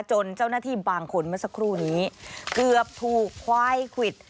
จนเจ้าหน้าที่บางคนเมื่อสักครู่นี้เกือบถูกควายควิด